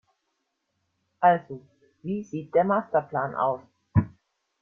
Also, wie sieht der Masterplan aus?